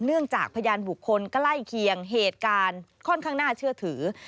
จากพยานบุคคลใกล้เคียงเหตุการณ์ค่อนข้างน่าเชื่อถือ